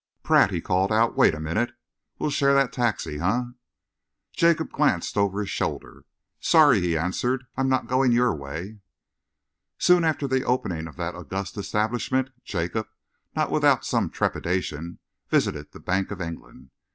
"Pratt," he called out, "wait a minute. We'll share that taxi, eh?" Jacob glanced over his shoulder. "Sorry," he answered, "I'm not going your way." Soon after the opening of that august establishment, Jacob, not without some trepidation, visited the Bank of England.